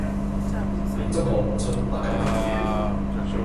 便足可悟出八九分了。